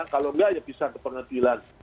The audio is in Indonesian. kalau enggak ya bisa ke pengadilan